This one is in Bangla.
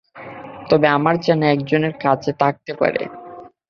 তবে আমার চেনা একজনের কাছে থাকতে পারে।